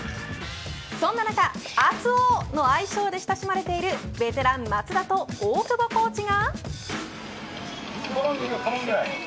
そんな中熱男の愛称で親しまれているベテラン松田と大久保コーチが。